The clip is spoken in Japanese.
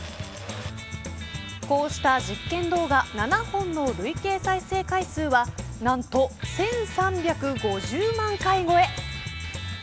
こうした実験動画７本の累計再生回数は何と１３５０万回超。